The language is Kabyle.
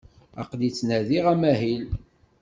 Aqli ttnadiɣ amahil.